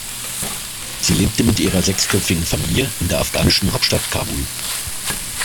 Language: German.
Sie lebt mit ihrer sechsköpfigen Familie in der afghanischen Hauptstadt Kabul.